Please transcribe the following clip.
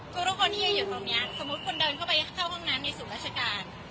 คือทุกคนที่ยืนอยู่ตรงนี้สมมุติคุณเดินเข้าไปเข้าห้องน้ำในศูนย์ราชการ